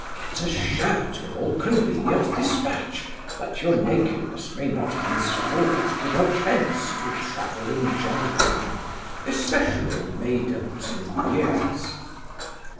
Get a shirt with all convenient dispatch, that your nakedness may not henceforward give offence to travelling gentlewomen, especially maidens in years.